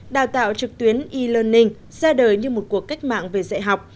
đào tạo trực tuyến e learning ra đời như một cuộc cách mạng về dạy học